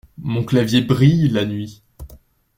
Mon clavier brille la nuit.